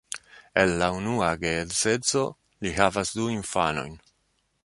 El la unua geedzeco li havas du infanojn.